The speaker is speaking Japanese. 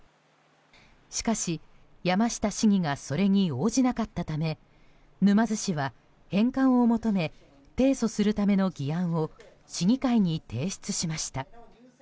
しかし、山下市議がそれに応じなかったため沼津市は、返還を求め提訴するための議案を市議会に提出しました。